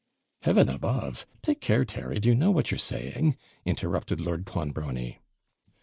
'Heaven above! Take care, Terry! Do you know what you're saying?' interrupted Lord Clonbrony.